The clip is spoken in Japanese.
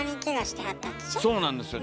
そうなんですよ。